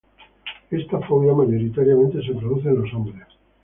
Esta fobia mayoritariamente se produce en los hombres.